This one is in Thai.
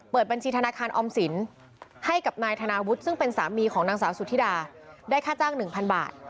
เปิดบรรชีธนาคารออมสินท์ให้ไว้ไว้โดนนายธนาวุฒิสาวสุธิดาได้ค่าจ้าง๑๐๐๐บาท